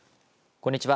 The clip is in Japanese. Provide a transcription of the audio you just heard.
こんにちは。